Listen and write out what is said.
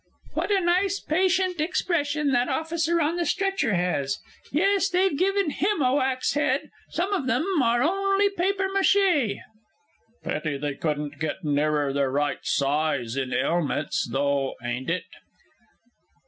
What a nice patient expression that officer on the stretcher has! Yes, they've given him a wax head some of them are only papier mâché.... Pity they couldn't get nearer their right size in 'elmets, though, ain't it?...